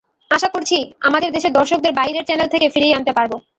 আশা করছি, আমাদের দেশের দর্শকদের বাইরের চ্যানেল থেকে ফিরিয়ে আনতে পারব।